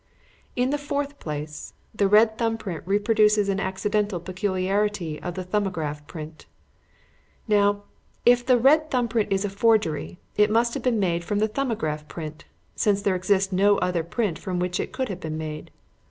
"In the fourth place, the red thumb print reproduces an accidental peculiarity of the 'Thumbograph' print. Now, if the red thumb print is a forgery, it must have been made from the 'Thumbograph' print, since there exists no other print from which it could have been made.